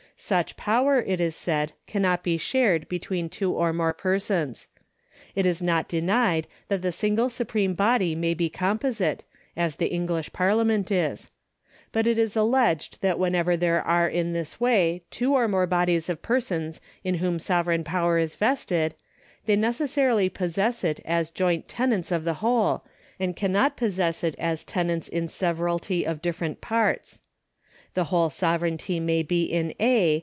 Such power, it is said, cannot be shared between two or more persons. It is not denied that the single supreme body may be composite, as the English Parliament is. But it is alleged that whenever there are in this way two or more bodies of persons in whom sovereign power is vested, they neces sarily possess it as joint tenants of the whole, and cannot possess it as tenants in severalty of different parts. The whole sovereignty may be in A.